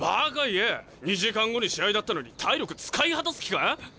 ２時間後に試合だってのに体力使い果たす気か？